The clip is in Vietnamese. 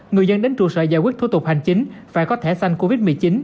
người dân đến trụ sở giải quyết thủ tục hành chính phải có thẻ xanh covid một mươi chín